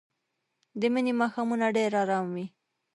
د مني ماښامونه ډېر ارام وي